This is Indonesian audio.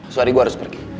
suhari gue harus pergi